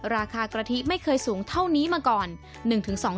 ราคากะทิไม่เคยสูงเท่านี้มาก่อน